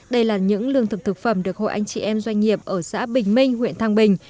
đây là những lương thực thực phẩm được hội anh chị em doanh nghiệp ở xã bình minh huyện thang bình